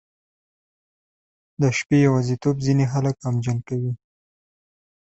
• د شپې یوازیتوب ځینې خلک غمجن کوي.